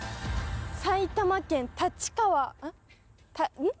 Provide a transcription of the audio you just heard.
埼玉県立川ん？